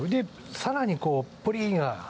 さらにプリンが。